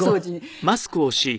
はい。